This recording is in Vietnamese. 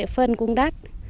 phân cũng đắt